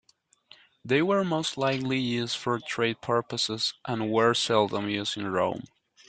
They were most likely used for trade purposes and were seldom used in Rome.